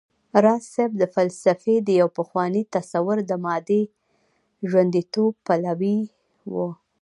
راز صيب د فلسفې د يو پخواني تصور د مادې ژونديتوب پلوی و